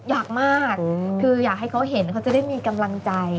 อยากมากคืออยากให้เขาเห็นเขาจะได้มีกำลังใจ